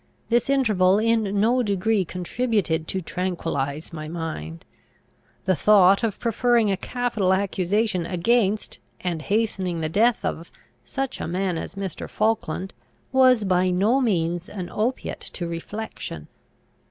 This interval in no degree contributed to tranquillise my mind. The thought of preferring a capital accusation against, and hastening the death of, such a man as Mr. Falkland, was by no means an opiate to reflection.